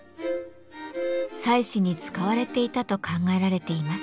祭祀に使われていたと考えられています。